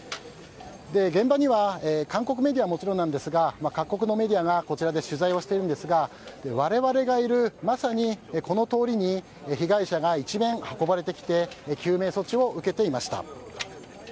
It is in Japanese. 現場には韓国メディアはもちろんですが各国のメディアがこちらで取材しているんですが我々がいる、まさにこの通りに被害者が一面、運ばれてきて救命措置を受けていました。